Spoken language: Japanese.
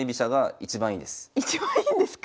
一番いいんですか？